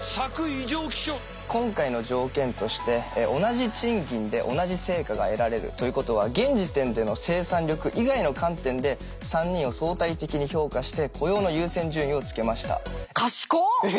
今回の条件として同じ賃金で同じ成果が得られるということは現時点での生産力以外の観点で３人を相対的に評価して雇用の優先順位をつけました。